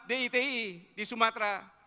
diti di sumatera